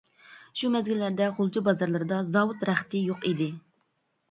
شۇ مەزگىللەردە غۇلجا بازارلىرىدا زاۋۇت رەختى يوق ئىدى.